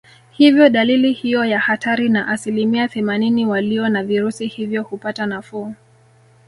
Hivyo dalili hiyo ya hatari na asilimia themanini walio na virusi hivyo hupata nafuu